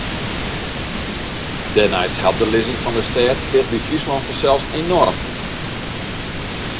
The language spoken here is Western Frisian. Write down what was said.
Dêrneist helpt de lizzing fan de stêd ticht by Fryslân fansels enoarm.